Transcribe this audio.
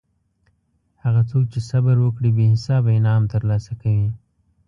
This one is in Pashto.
هغه څوک چې صبر وکړي بې حسابه انعام ترلاسه کوي.